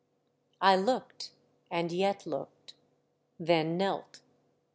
I looked, and yet looked ; then knelt.